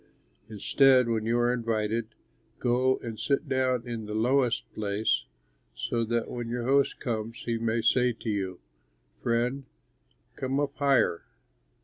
"Instead, when you are invited, go and sit down in the lowest place, so that when your host comes he may say to you, 'Friend, come up higher.'